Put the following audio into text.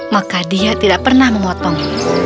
maka dia tidak pernah memotong